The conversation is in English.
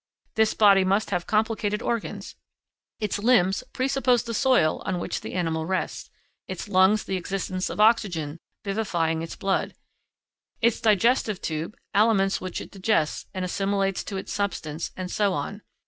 This body must have complicated organs; its limbs presuppose the soil on which the animal rests, its lungs the existence of oxygen vivifying its blood, its digestive tube, aliments which it digests and assimilates to its substance, and so on.